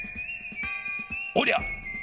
おりゃ！